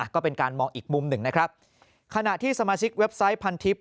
ก็เป็นการมองอีกมุมหนึ่งนะครับขณะที่สมาชิกเว็บไซต์พันทิพย